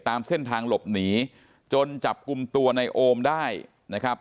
ตามเส้นทางหลบหนีจนจับกลุ่มตัวในโอมได้นะครับ